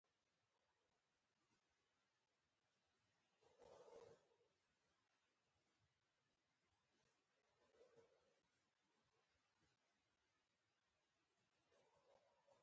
وچه ډوډۍ په سطل کې وه.